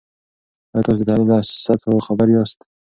آیا تاسو د تحلیل له سطحو خبر یاست؟